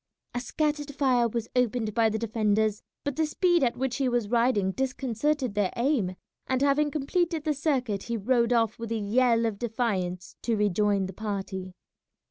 A scattered fire was opened by the defenders, but the speed at which he was riding disconcerted their aim, and having completed the circuit he rode off with a yell of defiance to rejoin the party.